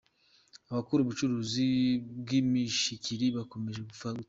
Abakora ubucuruzi bw’imishikiri bakomeje gufatwa